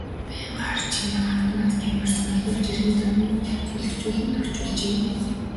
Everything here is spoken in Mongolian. Байнга харж хянах автомат камер суурилуулж эргэн тойрныг зүлэгжүүлэн тохижуулжээ.